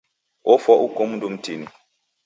Ofwa uko mndu mtini.